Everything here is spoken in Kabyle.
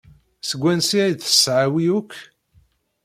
Seg wansi ay d-tesɣa wi akk?